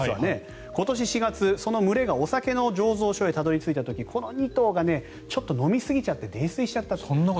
今年４月その群れがお酒の醸造所にたどり着いた時にこの２頭がちょっと飲みすぎちゃって泥酔しちゃった。